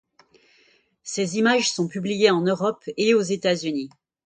Ses images sont publiées en Europe et aux États-Unis.